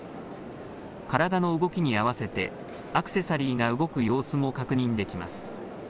体の動きに合わせてアクセサリーが動く様子も確認できます。